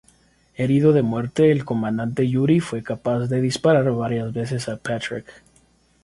Herido de muerte el comandante Yuri fue capaz de disparar varias veces a Patrick.